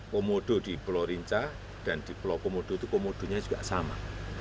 komodo di pulau rinca dan di pulau komodo itu komodonya juga sama